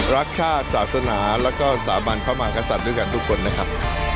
รักชาติศาสนาแล้วก็สาบันพระมากษัตริย์ด้วยกันทุกคนนะครับ